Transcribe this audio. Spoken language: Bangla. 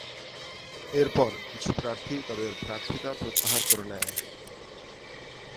এর পর কিছু প্রার্থী তাদের প্রার্থীতা প্রত্যাহার করে নেয়।